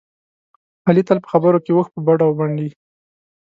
علي تل په خبرو کې اوښ په بډه منډي.